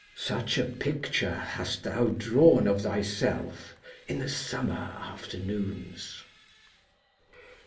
Such a picture hast thou drawn of thyself in the summer afternoons.